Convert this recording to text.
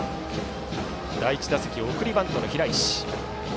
第１打席、送りバントの平石。